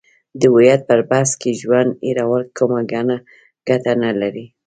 د هویت پر بحث کې ژوند هیرول کومه ګټه نه لري.